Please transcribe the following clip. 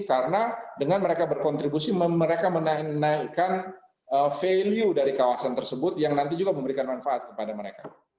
karena dengan mereka berkontribusi mereka menaikkan value dari kawasan tersebut yang nanti juga memberikan manfaat kepada mereka